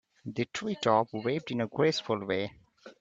The tree top waved in a graceful way.